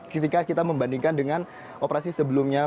ketika kita membandingkan dengan operasi sebelumnya